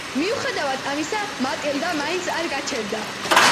მიუხედავად ამისა, მატილდა მაინც არ გაჩერდა.